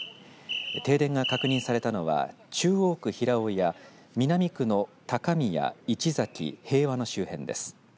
停電が確認されたのは中央区平尾や南区の高宮、市崎、平和の周辺です。